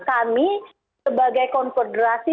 kami sebagai konfederasi